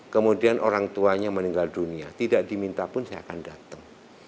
kemudian orang tuanya meninggal dunia tidak diminta pun saya akan datang